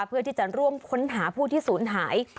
เพื่อที่จะร่วมค้นหาผู้ที่ศูนย์หาย